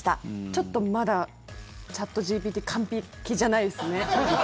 ちょっとまだチャットＧＰＴ完璧じゃないですね。